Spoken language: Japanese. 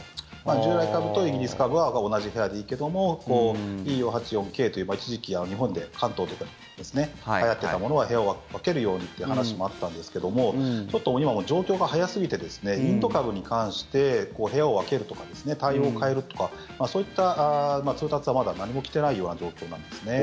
従来株とイギリス株は同じ部屋でいいけどもＥ４８４Ｋという一時期、日本で関東とかで、はやっていたものは部屋を分けるようにという話もあったんですけどもちょっと今、状況が早すぎてインド株に関して部屋を分けるとか対応を変えるとかそういった通達は、まだ何も来てないような状況なんですね。